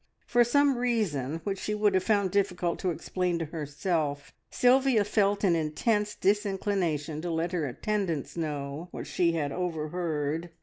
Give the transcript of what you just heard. For some reason which she would have found difficult to explain to herself Sylvia felt an intense disinclination to let her attendants know what she had overheard.